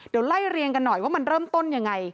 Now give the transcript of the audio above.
เดี๋ยวไล่เรียงกันหน่อยว่ามันเริ่มต้นยังไง